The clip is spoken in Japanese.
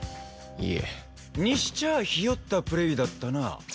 いえ。にしちゃ日和ったプレーだったな。